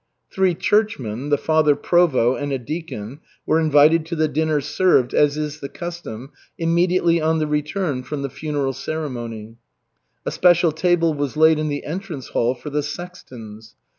Three churchmen, the Father Provost and a deacon, were invited to the dinner served, as is the custom, immediately on the return from the funeral ceremony. A special table was laid in the entrance hall for the sextons.